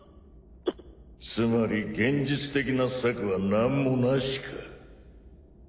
つまり現実的な策は何もなしか。